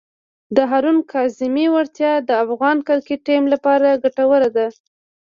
د هارون کاظمي وړتیا د افغان کرکټ ټیم لپاره ګټوره ده.